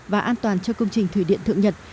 và an toàn cho công trình thủy điện thượng nhật